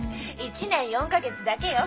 １年４か月だけよ。